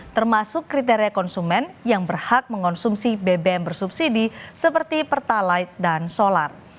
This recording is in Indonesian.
termasuk kriteria konsumen yang berhak mengonsumsi bbm bersubsidi seperti pertalite dan solar